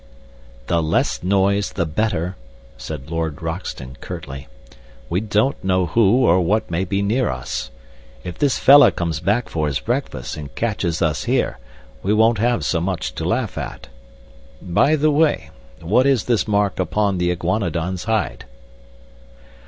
"The less noise the better," said Lord Roxton, curtly. "We don't know who or what may be near us. If this fellah comes back for his breakfast and catches us here we won't have so much to laugh at. By the way, what is this mark upon the iguanodon's hide?"